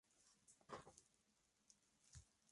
Materias Primas y Material de Acondicionamiento.